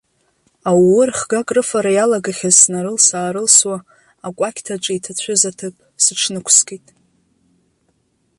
Ауу рыхга акрыфара иалагахьаз снарылс-аарылсуа, акәакьҭаҿы иҭацәыз аҭыԥ сыҽнықәскит.